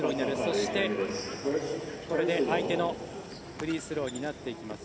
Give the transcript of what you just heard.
そしてこれで相手のフリースローになっていきます。